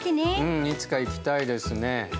うんいつか行きたいですね。